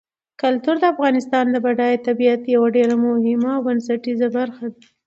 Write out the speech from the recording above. کلتور د افغانستان د بډایه طبیعت یوه ډېره مهمه او بنسټیزه برخه ده.